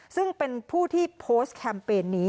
ซึ่งเป็นผู้ที่โพสต์แคมเปญนี้